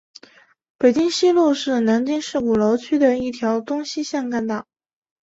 北京西路是南京市鼓楼区的一条东西向干道。